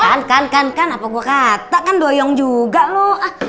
eh kan kan kan kan apa gue kata kan doyong juga lu